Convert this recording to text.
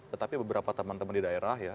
tetapi beberapa teman teman di daerah ya